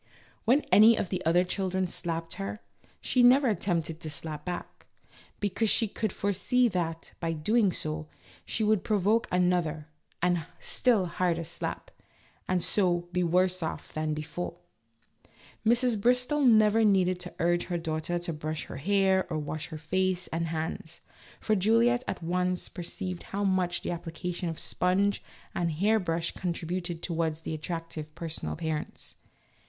When any of the other children slapped her, she never attempted to slap back, because she could fore see that, by so doing, she would provoke another and still harder slap, and so be worse off than before. Mrs. Bristol never needed to urge this daughter to brush her hair or wash her face and hands, for Juliette at once perceived how much the application of a sponge and hair brush contributed towards an attractive personal appearance.